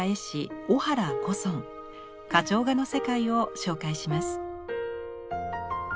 花鳥画の世界を紹介します。